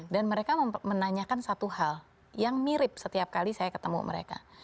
dan mereka menanyakan satu hal yang mirip setiap kali saya ketemu mereka